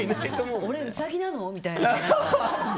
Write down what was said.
俺、ウサギなの？みたいな。